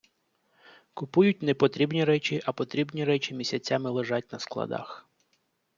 Купують непотрібні речі, а потрібні речі місяцями лежать на складах.